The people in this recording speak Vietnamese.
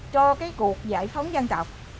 cho cái cuộc giải phóng dân tộc